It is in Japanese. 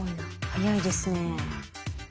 早いですね。